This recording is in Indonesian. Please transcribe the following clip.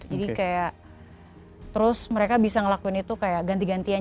jadi kayak terus mereka bisa ngelakuin itu kayak ganti gantian